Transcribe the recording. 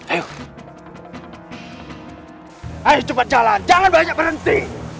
ayo cepat jalan jangan banyak berhenti